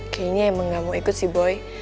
kayanya emang gak mau ikut sih boy